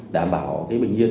đảm bảo bình yên